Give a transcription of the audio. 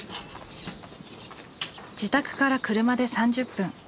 自宅から車で３０分。